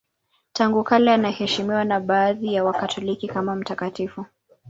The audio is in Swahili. Tangu kale anaheshimiwa na baadhi ya Wakatoliki kama mtakatifu.